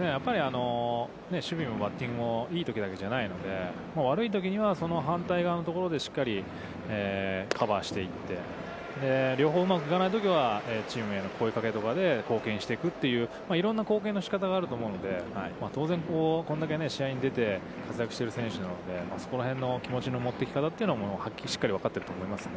やっぱり守備もバッティングも、いいときだけじゃないので、悪いときには、その反対側のところで、しっかりカバーしていって、両方うまくいかないときは、チームへの声かけとかで貢献していくといういろんな貢献の仕方があると思うので、当然こんだけ試合に出て活躍している選手なので、そこら辺の気持ちの持っていき方はしっかり分かってると思いますね。